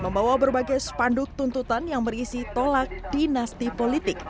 membawa berbagai spanduk tuntutan yang berisi tolak dinasti politik